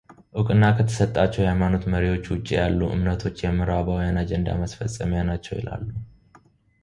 እውቅና ከተሰጣቸው ሃይማኖቶች ውጪ ያሉ እምነቶች የምዕራባውያን አጀንዳ ማስፈጸሚያ ናቸው ይላሉ።